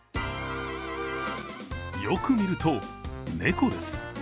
よく見ると猫です。